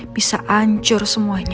bisa ancur semuanya